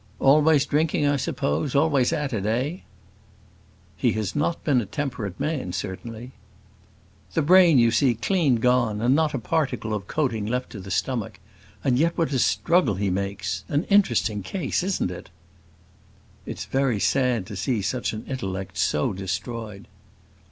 "Always drinking, I suppose; always at it eh?" "He has not been a temperate man, certainly." "The brain, you see, clean gone and not a particle of coating left to the stomach; and yet what a struggle he makes an interesting case, isn't it?" "It's very sad to see such an intellect so destroyed."